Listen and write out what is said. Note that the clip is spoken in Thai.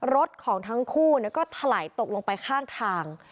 รถของทั้งคู่ก็ถลายตกลงไปข้างทาง